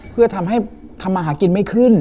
เพื่อทำให้ทำมาหากินไม่ขึ้น